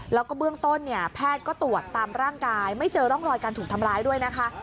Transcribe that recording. แล้วก็เบื้องต้นเนี่ยแพทย์ก็ตรวจตามร่างกายไม่เจอร่องรอยการถูกทำร้ายด้วยนะคะ